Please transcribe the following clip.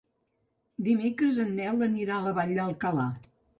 Dimecres en Nel anirà a la Vall d'Alcalà.